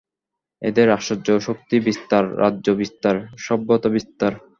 এদের আশ্চর্য শক্তিবিস্তার, রাজ্যবিস্তার, সভ্যতাবিস্তার।